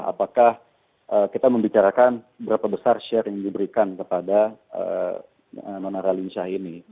apakah kita membicarakan berapa besar share yang diberikan kepada nona ralinsyah ini